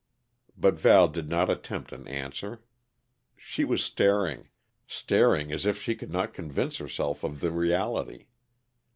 But Val did not attempt an answer. She was staring staring as if she could not convince herself of the reality.